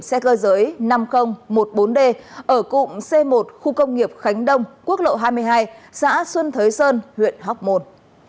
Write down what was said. xe cơ giới năm nghìn một mươi bốn d ở cụm c một khu công nghiệp khánh đông quốc lộ hai mươi hai xã xuân thới sơn huyện hóc môn